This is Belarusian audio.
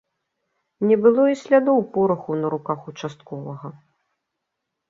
Не было і слядоў пораху на руках участковага.